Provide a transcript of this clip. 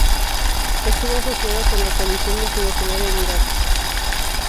Estuvo asociada con la Coalición multinacional en Irak.